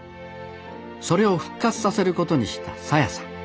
それを復活させることにした沙耶さん。